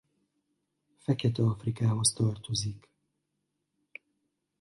Fekete-Afrikához tartozik.